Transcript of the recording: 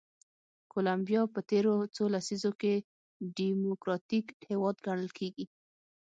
کولمبیا په تېرو څو لسیزو کې ډیموکراتیک هېواد ګڼل کېږي.